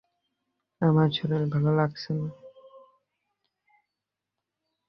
আমার শরীর ভালো লাগছে না।